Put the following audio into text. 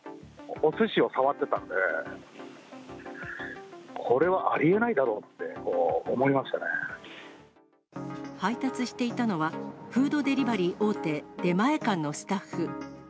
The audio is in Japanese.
おすしを触ってたんで、これはあ配達していたのは、フードデリバリー大手、出前館のスタッフ。